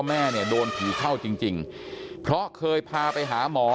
แม่ด้านถูไปข้าวจริงเพราะเคยพาไปหาหมอ